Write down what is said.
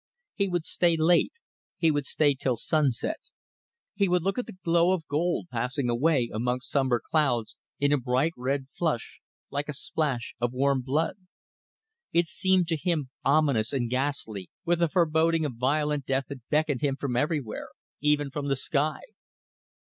He would stay late; he would stay till sunset; he would look at the glow of gold passing away amongst sombre clouds in a bright red flush, like a splash of warm blood. It seemed to him ominous and ghastly with a foreboding of violent death that beckoned him from everywhere even from the sky.